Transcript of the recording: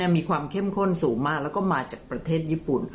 มีความเข้มข้นสูงมากแล้วก็มาจากประเทศญี่ปุ่น